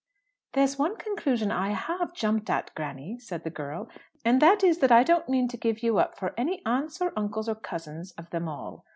"There's one conclusion I have jumped at, granny," said the girl, "and that is, that I don't mean to give you up for any aunts, or uncles, or cousins of them all.